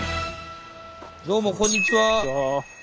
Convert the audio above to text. どうもこんにちは。